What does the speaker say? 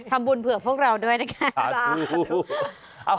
ทำบุญเผื่อพวกเราด้วยนะคะ